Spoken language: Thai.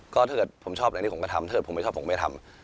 ก็ถ้าเกิดผมชอบอันนี้ผมก็ทำถ้าเกิดผมไม่ชอบผมไม่ทำ